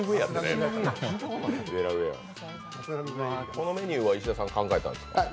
このメニューは石田さんが考えられたんですか？